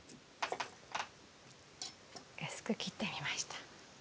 薄く切ってみました。